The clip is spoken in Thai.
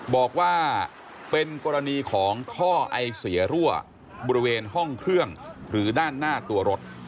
บอกว่าเป็นกรณีของท่อไอเสียรั่วบริเวณห้องเครื่องหรือด้านหน้าตัวรถ